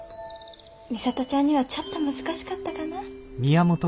美里ちゃんにはちょっと難しかったかな。